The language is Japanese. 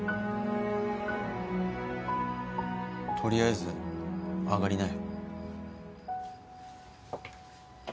とりあえず上がりなよ。